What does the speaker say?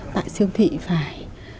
tại siêu thị phải